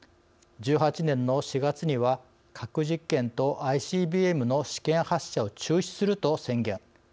１８年の４月には核実験とＩＣＢＭの試験発射を中止すると宣言。